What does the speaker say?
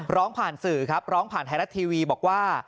ร้องผ่านสื่อครับร้องผ่านไทยรัฐทีวีบอกว่า